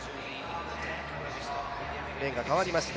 レーンが変わりまして